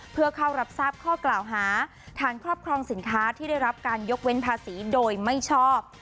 เพื่อเข้ารับทราบข้อกล่าวหาฐานครอบครองสินค้าที่ได้รับการยกเว้นภาษีโดยไม่ชอบ